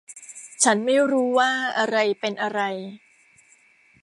ฉันไม่รู้ว่าอะไรเป็นอะไร